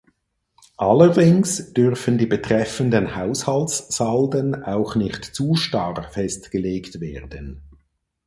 Allerdings dürfen die betreffenden Haushaltssalden auch nicht zu starr festgelegt werden.